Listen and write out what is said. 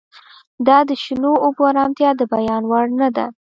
د دې شنو اوبو ارامتیا د بیان وړ نه ده